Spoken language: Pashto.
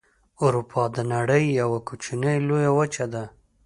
اروپا د نړۍ یوه کوچنۍ لویه وچه ده.